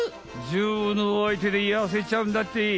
女王のおあいてでやせちゃうんだって。